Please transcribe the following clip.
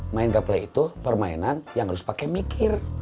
main gaplay itu permainan yang harus pakai mikir